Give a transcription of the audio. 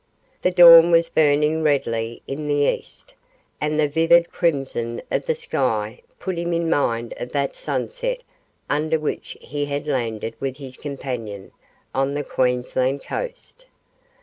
The dawn was burning redly in the east, and the vivid crimson of the sky put him in mind of that sunset under which he had landed with his companion on the Queensland coast.